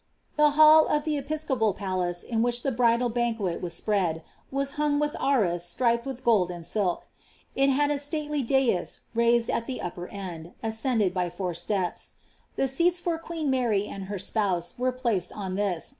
Tlie hall of the episcopal palace in which the bridal bani|UPl spread, was hung with arras striped with gold and silk ; it had a stalely Jaia raixed al this upper end, ascended by fonr sleps. The seats for queen Mary and her sponse were placed on ihis.